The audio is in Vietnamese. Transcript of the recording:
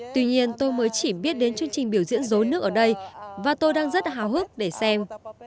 tuy nhiên tôi mới chỉ biết đến chương trình biểu diễn rối nước ở đây và tôi đang rất hào hức để xem